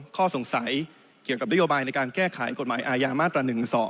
ข้อสงสัยเกี่ยวกับนโยบายในการแก้ไขกฎหมายอาญามาตรา๑๒